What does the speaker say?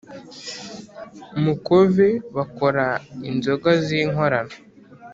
Mukove bakora inzoga zinkorano